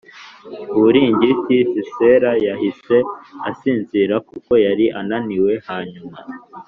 uburingiti Sisera yahise asinzira kuko yari ananiwe Hanyuma